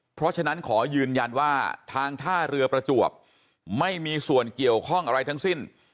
เพราะฉะนั้นขอยืนยันว่าทางท่าเรือประจวบไม่มีส่วนเกี่ยวข้องอะไรทั้งสิ้น